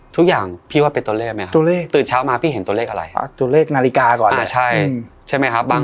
ทุกอย่างพี่ว่าเป็นตัวเลขไหมครับ